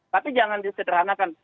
tapi jangan disederhanakan